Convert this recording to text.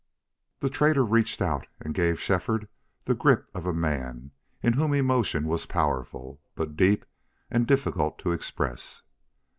The trader reached out and gave Shefford the grip of a man in whom emotion was powerful, but deep and difficult to express.